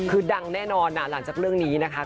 คือดังแน่นอนหลังจากเรื่องนี้นะคะ